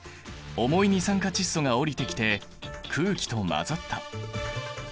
重い二酸化窒素が下りてきて空気と混ざった。